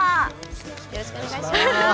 よろしくお願いします。